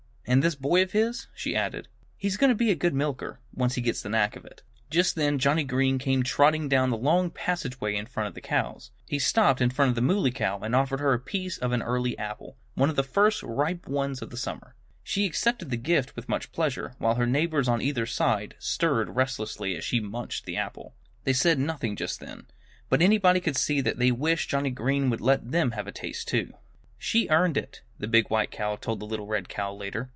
"And this boy of his," she added, "he's going to be a good milker once he gets the knack of it." Just then Johnnie Green came trotting down the long passageway in front of the cows. He stopped in front of the Muley Cow and offered her a piece of an early apple one of the first ripe ones of the summer. She accepted the gift with much pleasure, while her neighbors on either side, stirred restlessly as she munched the apple. They said nothing just then. But anybody could see that they wished Johnnie Green would let them have a taste too. "She earned it," the big white cow told the little red cow, later.